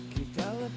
kita lepaskan diri